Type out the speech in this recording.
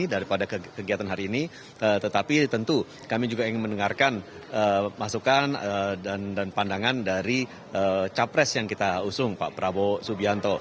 daripada kegiatan hari ini tetapi tentu kami juga ingin mendengarkan masukan dan pandangan dari capres yang kita usung pak prabowo subianto